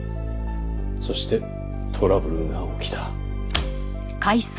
そしてトラブルが起きた。